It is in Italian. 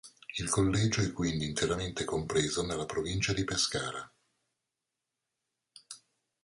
Il collegio è quindi interamente compreso nella provincia di Pescara.